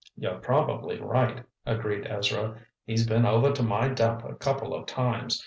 "You're probably right," agreed Ezra. "He's been over to my dump a couple of times.